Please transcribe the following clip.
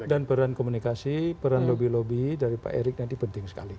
dan peran komunikasi peran lobby lobby dari pak erik nanti penting sekali